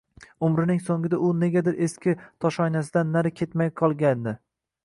Umrining so’ngida u negadir eski toshoynasidan nari ketmay qolgandi.